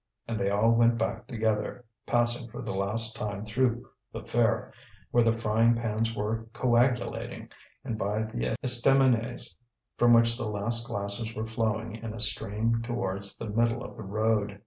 And they all went back together, passing for the last time through the fair, where the frying pans were coagulating, and by the estaminets, from which the last glasses were flowing in a stream towards the middle of the road.